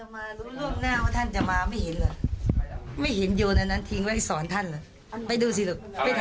แม่ของแม่ชีอู๋ได้รู้ว่าแม่ของแม่ชีอู๋ได้รู้ว่า